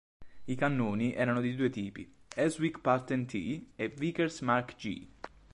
I cannoni erano di due tipi: Elswick Pattern "T" e Vickers Mark "G".